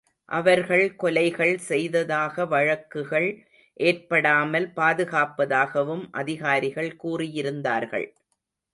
அவர்கள் கொலைகள் செய்ததாக வழக்குகள் ஏற்படாமல் பாதுகாப்பதாகவும் அதிகாரிகள் கூறியிருந்தார்கள்.